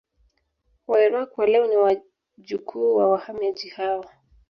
Wairaqw wa leo ni wajukuu wa wahamiaji hao